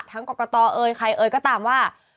ทั้งกรกตเอ้ยใครเอ้ยก็ตามว่า